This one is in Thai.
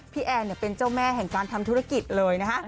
แอนเป็นเจ้าแม่แห่งการทำธุรกิจเลยนะคะ